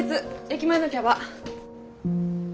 駅前のキャバ。